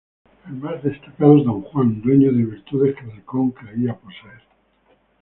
El más destacado es don Juan, dueño de virtudes que Alarcón creía poseer.